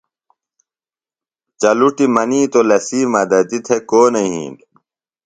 چلُٹیۡ منیتو لسی مدتی تھےۡ کونہ یھین۔